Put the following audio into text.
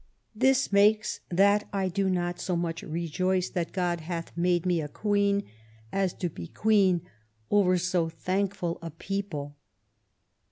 This makes that I do not so much rejoice that God hath made me a Queen, as to be Queen over so thankful a people.